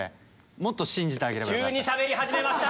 もっと信じてあげればよかった。